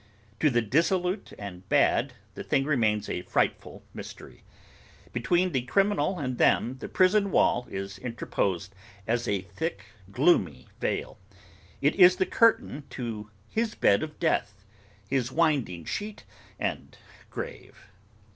To the dissolute and bad, the thing remains a frightful mystery. Between the criminal and them, the prison wall is interposed as a thick gloomy veil. It is the curtain to his bed of death, his winding sheet, and grave.